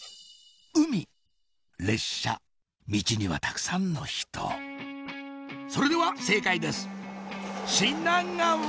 海列車ミチにはたくさんの人それでは正解です品川！